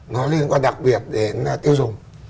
nó liên quan đặc biệt đến tiêu dùng